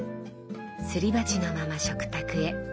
すり鉢のまま食卓へ。